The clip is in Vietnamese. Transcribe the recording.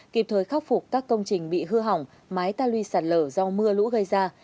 kịp thời khắc phục các công trình bị hư hỏng mái ta luy sạt lở do mưa lũ gây ra